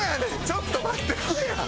ちょっと待ってくれや。